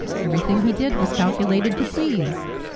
Everything he did was calculated to please.